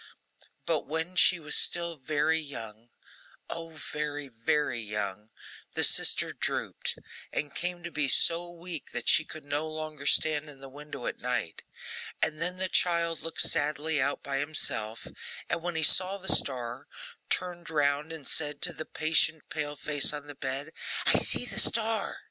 But while she was still very young, oh, very, very young, the sister drooped, and came to be so weak that she could no longer stand in the window at night; and then the child looked sadly out by himself, and when he saw the star, turned round and said to the patient pale face on the bed, 'I see the star!